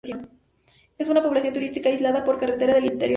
Es una población turística aislada por carretera del interior del país.